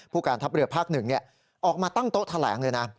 การทัพเรือภาค๑ออกมาตั้งโต๊ะแถลงเลยนะ